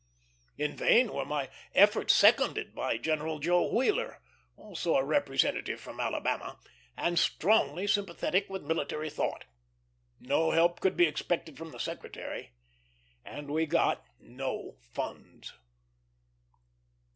In vain were my efforts seconded by General Joe Wheeler, also a representative from Alabama, and strongly sympathetic with military thought. No help could be expected from the Secretary, and we got no funds.